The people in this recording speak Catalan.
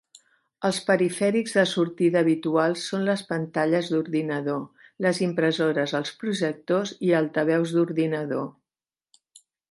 Els perifèrics de sortida habituals són les pantalles d'ordinador, les impressores, els projectors i altaveus d'ordinador.